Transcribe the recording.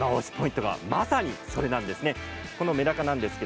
ポイントがまさにそれなんです。